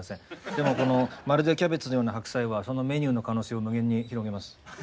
でもこの「まるでキャベツのような白菜」はそのメニューの可能性を無限に広げます。